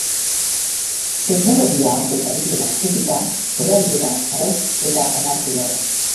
Teknologia ondo dabilela ikusita, erabilera arautu eta onartu behar da.